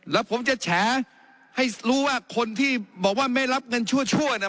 แล้วผมจะแฉให้รู้ว่าคนที่บอกว่าไม่รับเงินชั่วเนี่ย